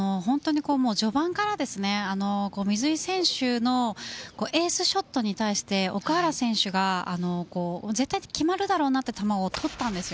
序盤から水井選手のエースショットに対して奥原選手が絶対決まるだろうなという球を取ったんです。